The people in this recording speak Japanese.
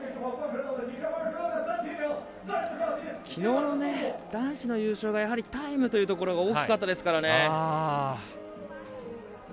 きのうの男子の優勝がやはりタイムというところが大きかったですからね。